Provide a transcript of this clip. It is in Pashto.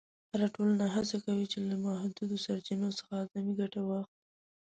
هره ټولنه هڅه کوي چې له محدودو سرچینو څخه اعظمي ګټه واخلي.